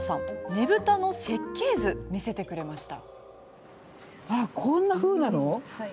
ねぶたの設計図を見せてくれました。